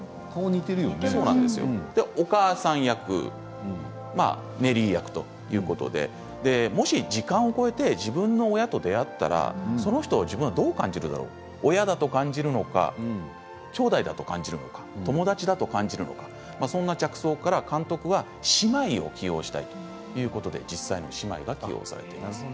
右側がお母さん役左側がネリー役もし、時間を越えて自分の親と出会ったりその人を自分はどう感じるだろう親だと感じるのかきょうだいだと感じるのか友達だと感じるのかそんな着想から、監督は姉妹を起用したい、ということで実際の姉妹が起用されています。